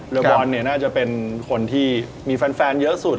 บอลเนี่ยน่าจะเป็นคนที่มีแฟนเยอะสุด